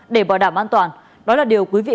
để bảo đảm an toàn đó là điều quý vị